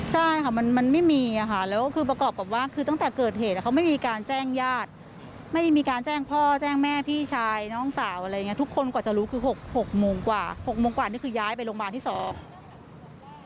ใช่ค่ะมันมันไม่มีอ่ะค่ะแล้วคือประกอบกับว่าคือตั้งแต่เกิดเหตุเขาไม่มีการแจ้งญาติไม่มีการแจ้งพ่อแจ้งแม่พี่ชายน้องสาวอะไรอย่างเงี้ทุกคนกว่าจะรู้คือหกหกโมงกว่าหกโมงกว่านี่คือย้ายไปโรงพยาบาลที่สอง